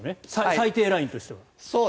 最低ラインとしては。